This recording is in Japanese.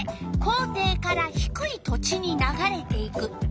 「校庭からひくい土地にながれていく」。